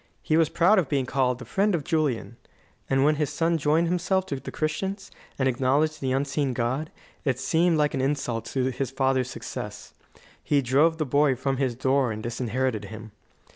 He was proud of being called "the friend of Julian"; and when his son joined himself to the Christians, and acknowledged the unseen God, it seemed like an insult to his father's success. He drove the boy from his door and disinherited him.